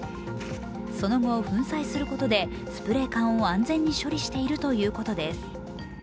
その後、粉砕することでスプレー缶を安全に処理しているということです。